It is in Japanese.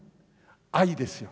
愛ですよ。